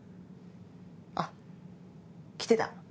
あっ来てた。